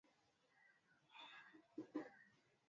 Waislamu wanaamini kuwa yeye alikuwa nabii wa Mungu